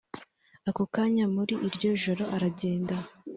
ako kanya muri iryo joro aragenda